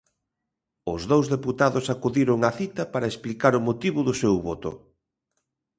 Os dous deputados acudiron á cita para explicar o motivo do seu voto.